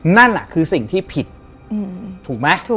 นั่นคือสิ่งที่ผิดถูกไหม